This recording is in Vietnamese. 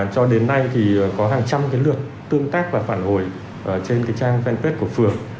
cho đến nay thì có hàng trăm cái lượt tương tác và phản hồi trên cái trang fanpage của phường